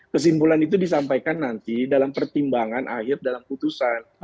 kesimpulan itu disampaikan nanti dalam pertimbangan akhir dalam putusan